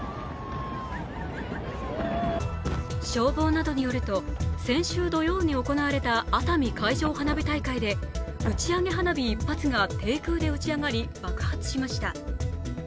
消防などによると、先週土曜に行われた熱海海上花火大会で打ち上げ花火１発が低空で打ち上がり爆発しました。